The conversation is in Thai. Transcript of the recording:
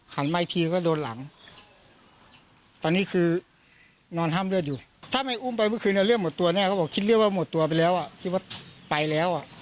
มาอีกทีก็โดนหลังตอนนี้คือนอนห้ามเลือดอยู่ถ้าไม่อุ้มไปเมื่อคืนเลือดหมดตัวแน่เขาบอกคิดเลือดว่าหมดตัวไปแล้วอ่ะคิดว่าไปแล้วอ่ะ